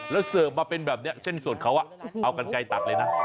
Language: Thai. แล้วเสิร์ฟมาเป็นแบบนี้เส้นสดเขาเอากันไกลตัดเลยนะ